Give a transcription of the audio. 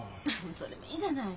それもういいじゃない。